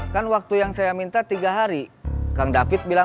kelly tonton yang selalu selalu guna aku ini sampai ulang